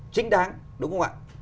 chính đáng đúng không ạ